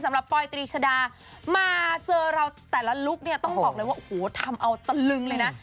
ปอยตรีชดามาเจอเราแต่ละลุคเนี่ยต้องบอกเลยว่าโอ้โหทำเอาตะลึงเลยนะ